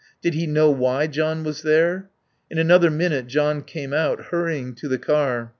Did he know why John was there? In another minute John came out, hurrying to the car.